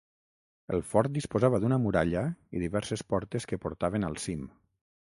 El fort disposava d'una muralla i diverses portes que portaven al cim.